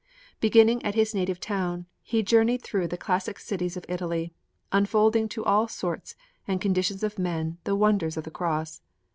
Beginning at his native town, he journeyed through the classic cities of Italy, unfolding to all sorts and conditions of men the wonders of the Cross.